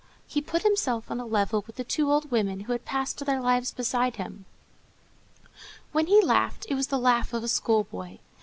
He put himself on a level with the two old women who had passed their lives beside him. When he laughed, it was the laugh of a schoolboy.